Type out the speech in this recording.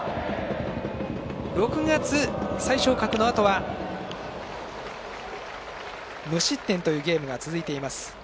６月、再昇格のあとは無失点というゲームが続いています。